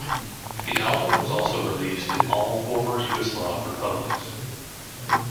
The album was also released in all Former Yugoslav republics.